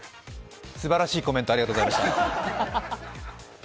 すばらしいコメントありがとうございました。